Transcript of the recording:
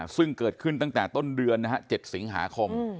ซึ่งเกิดขึ้นตั้งแต่ต้นเดือน๗สิงหาคม